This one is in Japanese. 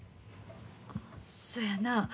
そやな。